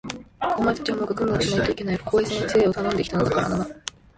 お前たちはもう学問をしないといけない。ここへ先生をたのんで来たからな。